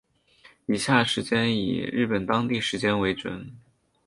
以下时间以日本当地时间为准